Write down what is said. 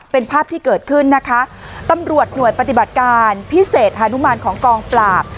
เป็นภาพที่เกิดขึ้นนะคะตำรวจหน่วยปฏิบัติการพิเศษฮานุมานของกองปราบ